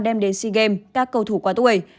đem đến sea games các cầu thủ quá tuổi